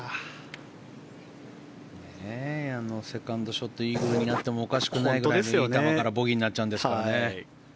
セカンドショットイーグルになってもおかしくないぐらいのいい球からボギーになっちゃうんですからね。